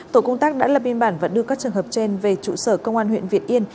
tổ công tác đã lập biên bản và đưa các trường hợp trên về trụ sở công an huyện việt yên